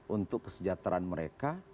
untuk kesejahteraan mereka